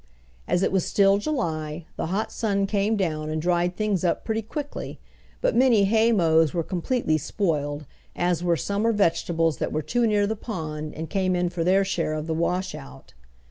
As it was still July the hot sun came down and dried things up pretty quickly, but many haymows were completely spoiled, as were summer vegetables that were too near the pond and came in for their share of the washout.